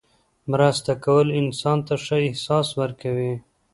مرسته کول انسان ته ښه احساس ورکوي.